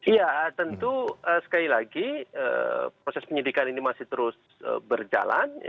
iya tentu sekali lagi proses penyidikan ini masih terus berjalan